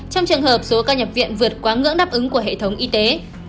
trong trường hợp số ca nhập viện vượt quá ngưỡng đáp ứng của hệ thống y tế